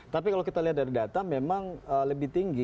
tapi kalau kita lihat dari data memang lebih tinggi